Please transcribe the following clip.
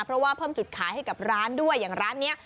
เพราะว่าเพิ่มจุดขายให้กับร้านด้วยอย่างร้านนี้